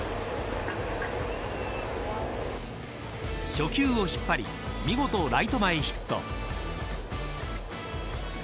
初球を引っ張り見事ライト前ヒット。